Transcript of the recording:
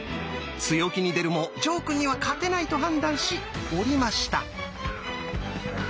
強気に出るも呈くんには勝てないと判断し降りました。